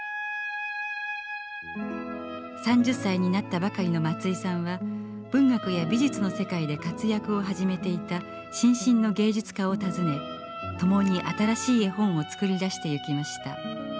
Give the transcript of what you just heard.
３０歳になったばかりの松居さんは文学や美術の世界で活躍を始めていた新進の芸術家を訪ね共に新しい絵本を作り出してゆきました。